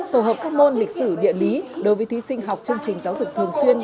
tổ hợp các môn lịch sử địa lý đối với thí sinh học chương trình giáo dục thường xuyên